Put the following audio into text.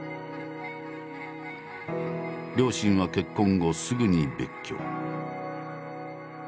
両親は結婚後すぐに別居。